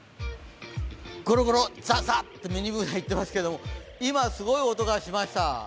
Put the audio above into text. ゴロゴロ、ザーザーとミニＢｏｏｎａちゃん言ってますけど今すごい音がしました。